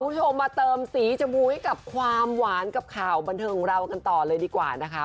คุณผู้ชมมาเติมสีชมพูให้กับความหวานกับข่าวบันเทิงของเรากันต่อเลยดีกว่านะคะ